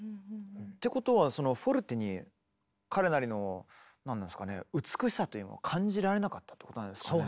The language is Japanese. てことはそのフォルテに彼なりの何ですかね美しさというのを感じられなかったってことなんですかね。